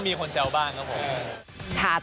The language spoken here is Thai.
มีคนแซวบ้างครับผม